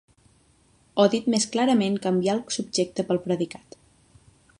O dit més clarament canviar el subjecte pel predicat.